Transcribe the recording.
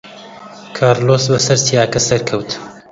کارلۆس بەسەر چیاکە سەرکەوت.